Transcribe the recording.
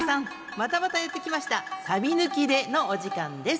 またまたやって来ました「サビ抜きで。」のお時間です。